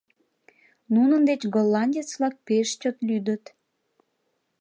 нунын деч голландец-влак пеш чот лӱдыт